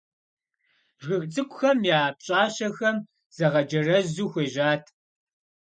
Жыг цӀыкӀухэм я пщӀащэхэм загъэджэрэзу хуежьат.